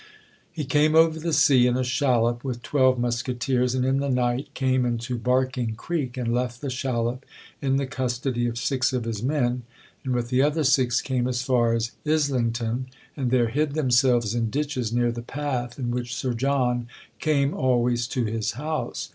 He came over the sea in a shallop with twelve musketeers, and in the night came into Barking Creek, and left the shallop in the custody of six of his men; and with the other six came as far as Islington, and there hid themselves in ditches near the path in which Sir John came always to his house.